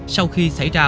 sau khi xảy ra